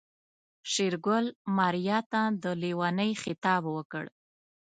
شېرګل ماريا ته د ليونۍ خطاب وکړ.